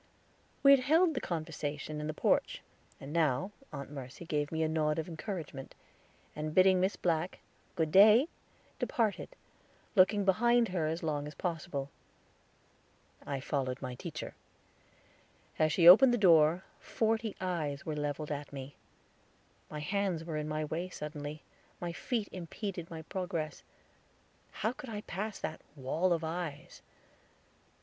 We had held the conversation in the porch, and now Aunt Mercy gave me a nod of encouragement, and bidding Miss Black "Good day," departed, looking behind her as long as possible. I followed my teacher. As she opened the door forty eyes were leveled at me; my hands were in my way suddenly; my feet impeded my progress; how could I pass that wall of eyes?